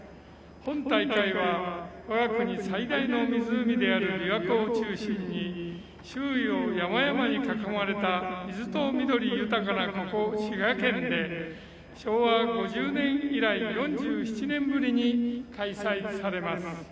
本大会は我が国最大の湖である琵琶湖を中心に周囲を山々に囲まれた水と緑豊かなここ滋賀県で昭和５０年以来４７年ぶりに開催されます。